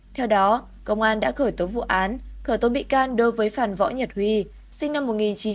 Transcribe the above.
theo đó công an đã khởi tố vụ án khởi tố bị can đối với phản võ nhật huy sinh năm một nghìn chín trăm chín mươi hai